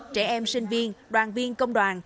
trẻ em sinh viên đoàn viên công đoàn